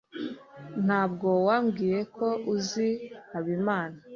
Ntabwo wambwiye ko uzi Habimana.